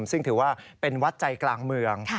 ซึ่งถือว่าเป็นวัดใจกลางเมือง